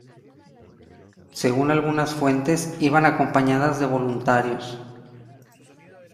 Según algunas fuentes iban acompañadas de voluntarios.